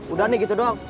udah nih gitu dong